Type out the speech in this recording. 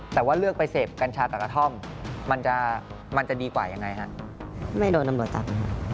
แต่ว่าเรียกไปเฟสเมียกัลชาต่างท่องมันจะมันจะดีกว่ายังไงอ่ะไม่นำลังก็จับ